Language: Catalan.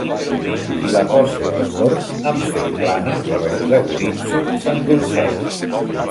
Si la poso al forn em surt plana, però si l'aguditzo s'endolceix.